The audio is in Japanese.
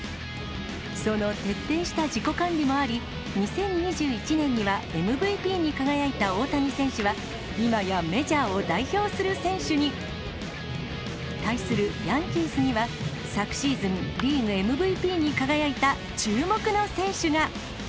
その徹底した自己管理もあり、２０２１年にはＭＶＰに輝いた大谷選手は、今やメジャーを代表する選手に。対するヤンキースには、昨シーズン、リーグＭＶＰに輝いた注目の選手が。